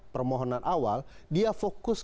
permohonan awal dia fokus